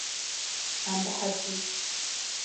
Em behecîn.